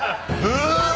うわ！